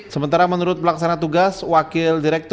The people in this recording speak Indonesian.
sementara menurut pelaksana tugas wakil direktur